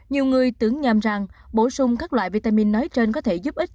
nhiều người tưởng nhầm rằng bổ sung các loại vitamin nói trên có thể giúp ích